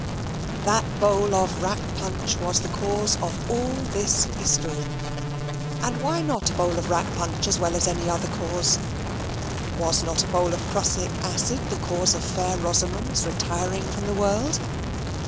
That bowl of rack punch was the cause of all this history. And why not a bowl of rack punch as well as any other cause? Was not a bowl of prussic acid the cause of Fair Rosamond's retiring from the world?